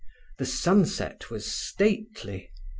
The sunset was stately.